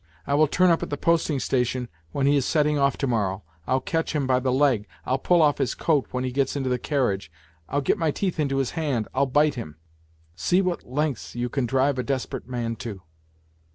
I will turn up at the posting station when he is setting off to morrow, I'll catch him by the leg, I'll pull off his coat when he gets into the carriage. I'll get my teeth into his hand, I'll bite him. " See what lengths you can drive a desperate man to